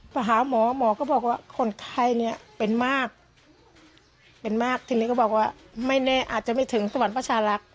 พอหาหมอหมอก็บอกว่าคนไข้เนี่ยเป็นมากเป็นมากทีนี้ก็บอกว่าไม่แน่อาจจะไม่ถึงสวรรค์ประชารักษ์